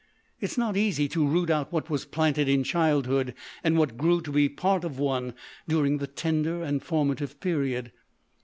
It is not easy to root out what was planted in childhood and what grew to be part of one during the tender and formative period....